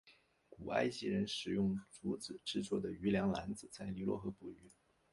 古埃及人使用竹子制作的渔梁篮子在尼罗河捕鱼。